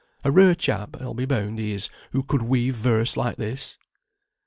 A rare chap I'll be bound is he who could weave verse like this."